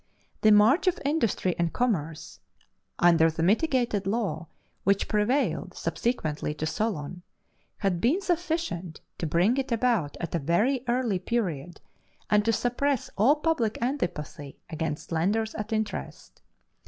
The march of industry and commerce, under the mitigated law which prevailed subsequently to Solon, had been sufficient to bring it about at a very early period and to suppress all public antipathy against lenders at interest.